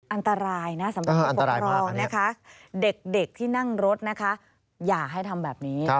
อันตรายนะสำหรับผู้ปกครองนะคะเด็กที่นั่งรถนะคะอย่าให้ทำแบบนี้